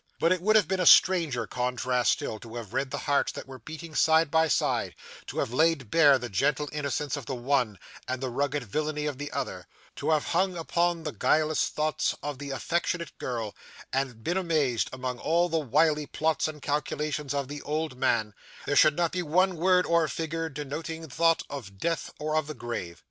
But, it would have been a stranger contrast still, to have read the hearts that were beating side by side; to have laid bare the gentle innocence of the one, and the rugged villainy of the other; to have hung upon the guileless thoughts of the affectionate girl, and been amazed that, among all the wily plots and calculations of the old man, there should not be one word or figure denoting thought of death or of the grave.